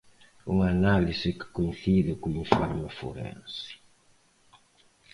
Unha análise que coincide co informe forense.